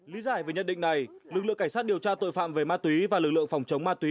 lý giải về nhận định này lực lượng cảnh sát điều tra tội phạm về ma túy và lực lượng phòng chống ma túy